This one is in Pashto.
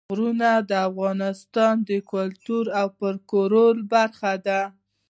غرونه د افغانستان د کلتور او فولکلور برخه ده.